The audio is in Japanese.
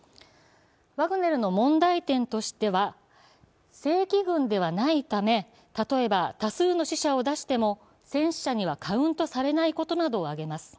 ワグネルの問題点としては、正規軍ではないため、例えば多数の死者を出しても戦死者にはカウントされないことなどを挙げます。